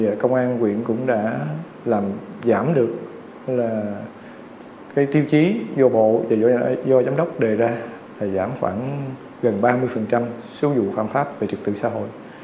thì công an quyện cũng đã giảm được tiêu chí do bộ và do giám đốc đề ra giảm khoảng gần ba mươi số dụ phạm pháp về trực tự xã hội